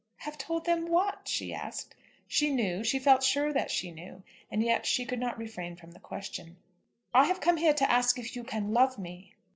"Have told them what?" she asked. She knew; she felt sure that she knew; and yet she could not refrain from the question. "I have come here to ask if you can love me."